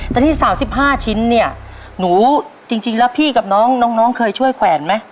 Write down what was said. แต่ที่๓๕ชิ้นเนี่ยหนูจริงแล้วพี่กับน้องเคยช่วยแขวนไหม